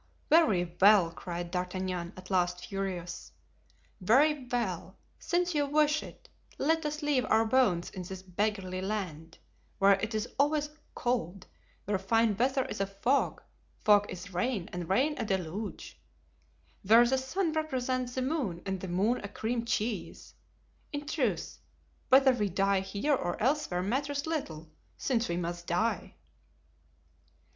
"Very well," cried D'Artagnan, at last, furious, "very well, since you wish it, let us leave our bones in this beggarly land, where it is always cold, where fine weather is a fog, fog is rain, and rain a deluge; where the sun represents the moon and the moon a cream cheese; in truth, whether we die here or elsewhere matters little, since we must die."